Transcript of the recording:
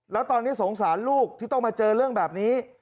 แล้วตอนนี้สงสารลูกที่ต้องมาเจอเรื่องแบบนี้